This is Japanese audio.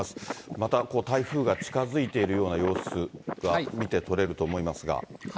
また台風が近づいているような様子が見て取れると思いますが。